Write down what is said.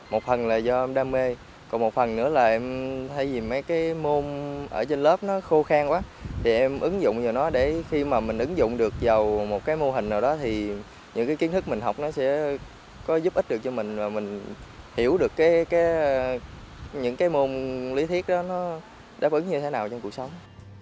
một phần là do em đam mê còn một phần nữa là em thấy vì mấy cái môn ở trên lớp nó khô khen quá để em ứng dụng vào nó để khi mà mình ứng dụng được vào một cái mô hình nào đó thì những cái kiến thức mình học nó sẽ có giúp ích được cho mình và mình hiểu được những cái môn lý thiết đó nó đáp ứng như thế nào trong cuộc sống